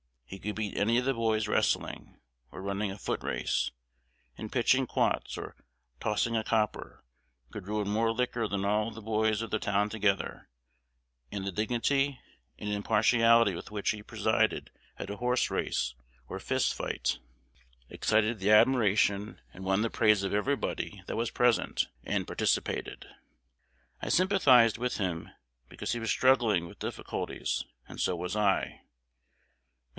He could beat any of the boys wrestling, or running a foot race, in pitching quoits, or tossing a copper; could ruin more liquor than all of the boys of the town together; and the dignity and impartiality with which he presided at a horse race or fist fight excited the admiration and won the praise of everybody that was present and participated. I sympathized with him because he was struggling with difficulties; and so was I. Mr.